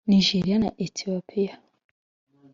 Nigeria na Ethiopia